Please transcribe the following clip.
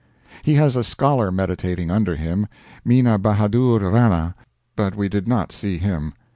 He has a scholar meditating under him Mina Bahadur Rana but we did not see him.